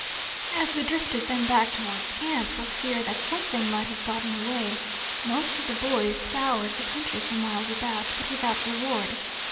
As we drifted them back towards camp, for fear that something might have gotten away, most of the boys scoured the country for miles about, but without reward.